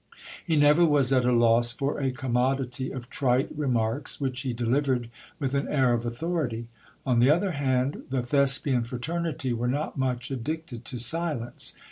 He never was at a loss for a commodity of trite re marks, which he delivered with an air of authority. On the other hand, the Thespian fraternity were not much addicted to silence.